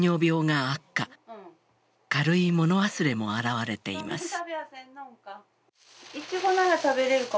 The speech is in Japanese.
軽い物忘れも現れています。